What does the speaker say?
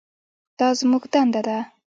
دا زموږ دنده ده.